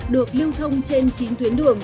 được lưu thông trên chín tuyến đường